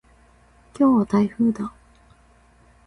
今日は台風だ。